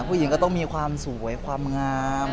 ผู้หญิงก็ต้องมีความสวยความงาม